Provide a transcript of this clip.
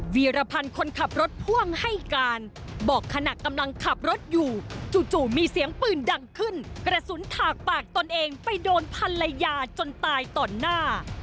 ีรพันธ์คนขับรถพ่วงให้การบอกขณะกำลังขับรถอยู่จู่มีเสียงปืนดังขึ้นกระสุนถากปากตนเองไปโดนภรรยาจนตายต่อหน้า